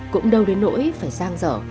cũng đâu đến nỗi phải sang dở